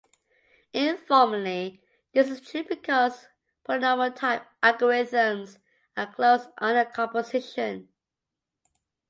Informally, this is true because polynomial time algorithms are closed under composition.